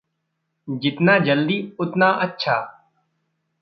जितना जल्दी उतना अच्छा।